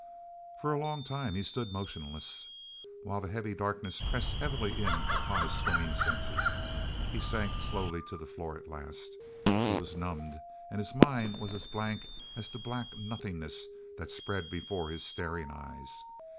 For a long time he stood motionless, while the heavy darkness pressed heavily in upon his swimming senses; he sank slowly to the floor at last. He was numbed, and his mind was as blank as the black nothingness that spread before his staring eyes.